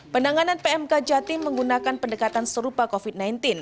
penanganan pmk jatim menggunakan pendekatan serupa covid sembilan belas